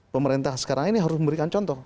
pemerintah sekarang ini harus memberikan contoh